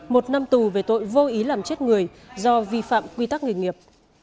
một năm tù về tội vô ý làm chết người do vi phạm quy tắc nghề nghiệp